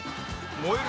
燃える